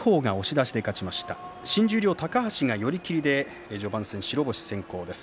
新十両高橋が寄り切りで序盤戦、白星先行です。